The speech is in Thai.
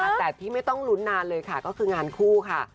แต่ที่ไม่ต้องลุ้นนานเลยค่ะก็คืองานคู่ค่ะ